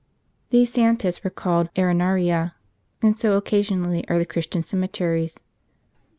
These sand pits were called arenarta, and so occasionally are the Christian cemeteries.